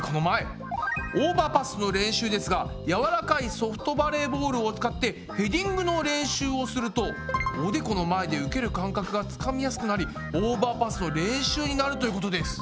オーバーパスの練習ですがやわらかいソフトバレーボールを使ってヘディングの練習をするとおでこの前で受ける感覚がつかみやすくなりオーバーパスの練習になるということです。